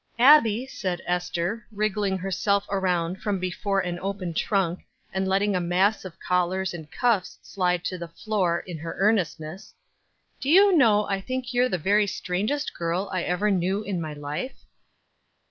"Abbie," said Ester, wriggling herself around from before an open trunk, and letting a mass of collars and cuffs slide to the floor in her earnestness, "do you know I think you're the very strangest girl I ever knew in my life?"